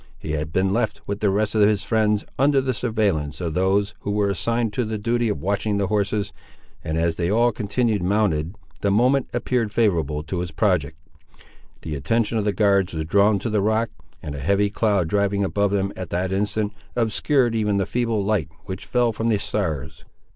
He had been left with the rest of his friends, under the surveillance of those who were assigned to the duty of watching the horses, and as they all continued mounted, the moment appeared favourable to his project. The attention of the guards was drawn to the rock, and a heavy cloud driving above them at that instant, obscured even the feeble light which fell from the stars.